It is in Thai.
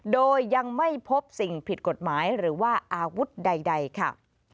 โดยยังไม่พบสิ่งผิดกฎหมายหรือว่าอาวุธใดค่ะ